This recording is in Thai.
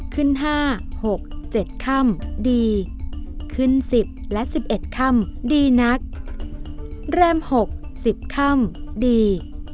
ขึ้นห้าหกเจ็ดค่ำดีขึ้นสิบและสิบเอ็ดค่ำดีนักแรมหกสิบค่ำดี